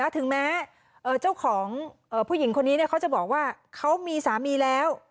ถึงแม้เจ้าของผู้หญิงคนนี้เขาจะบอกว่าเขามีสามีแล้ว